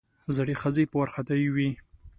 زړې ښځې په وارخطايي وې.